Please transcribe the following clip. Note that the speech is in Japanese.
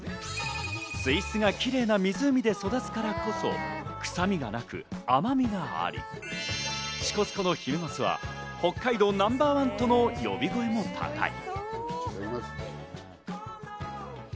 水質がキレイな湖で育つからこそ臭みがなく甘みがあり、支笏湖のヒメマスは北海道ナンバーワンとの呼び声も高い。